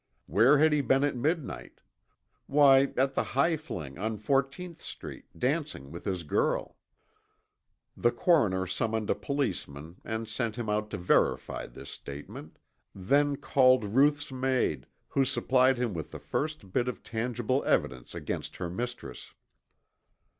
Where had he been at midnight, why at the Highfling, on Fourteenth Street, dancing with his girl. The coroner summoned a policeman and sent him out to verify this statement, then called Ruth's maid, who supplied him with the first bit of tangible evidence against her mistress.